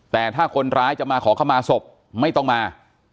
แต่ถ้าคนร้ายจะมาขอเข้ามาศพไม่ต้องมา